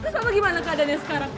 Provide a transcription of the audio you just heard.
kau tahu gimana keadaannya sekarang